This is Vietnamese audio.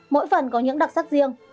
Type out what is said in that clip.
mỗi phần có những đặc sắc riêng